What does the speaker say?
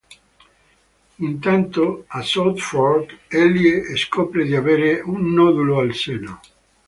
Intanto, a Southfork, Ellie scopre di avere un nodulo al seno.